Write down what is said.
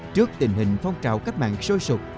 trước tình hình phong trào cách mạng sôi sụt